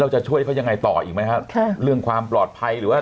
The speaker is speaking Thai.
จะช่วยเขายังไงต่ออีกไหมฮะค่ะเรื่องความปลอดภัยหรือว่า